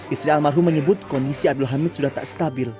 istri almarhum menyebut kondisi abdul hamid sudah tak stabil